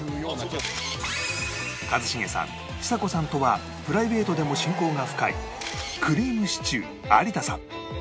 一茂さんちさ子さんとはプライベートでも親交が深いくりぃむしちゅー有田さん